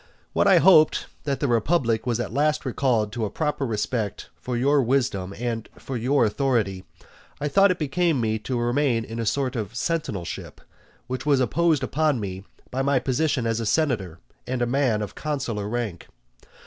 When I hoped that the republic was at last recalled to a proper respect for your wisdom and for your authority, I thought that it became me to remain in a sort of sentinelship, which was imposed upon me by my position as a senator and a man of consular rank.